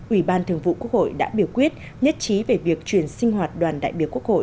ủy ban thường vụ quốc hội đã biểu quyết nhất trí về việc chuyển sinh hoạt đoàn đại biểu quốc hội